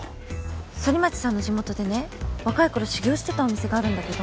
反町さんの地元でね若い頃修業してたお店があるんだけど。